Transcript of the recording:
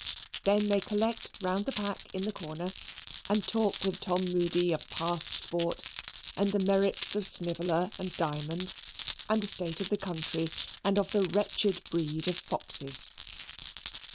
Then they collect round the pack in the corner and talk with Tom Moody of past sport, and the merits of Sniveller and Diamond, and of the state of the country and of the wretched breed of foxes.